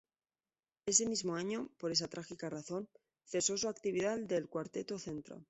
Ese mismo año, por esa trágica razón, cesó su actividad el Quartetto Cetra.